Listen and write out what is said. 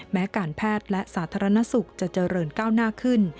แม้การแพทย์และสาธารณสุขจะเจริญก้าวหน้าขึ้น